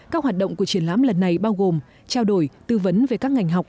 các hoạt động của triển lãm lần này bao gồm trao đổi tư vấn về các ngành học